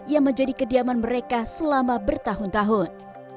yang menjadi kediaman mereka selama bertahun tahun